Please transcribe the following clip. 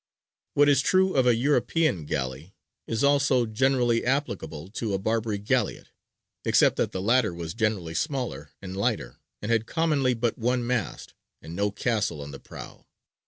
What is true of a European galley is also generally applicable to a Barbary galleot, except that the latter was generally smaller and lighter, and had commonly but one mast, and no castle on the prow.